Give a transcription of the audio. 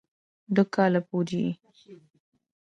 دوؤ کالو پورې ئې